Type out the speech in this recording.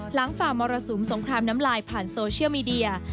ฝ่ามรสุมสงครามน้ำลายผ่านโซเชียลมีเดีย